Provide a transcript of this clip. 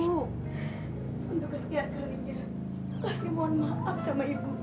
untuk kesekian kalinya kasih mohon maaf sama ibu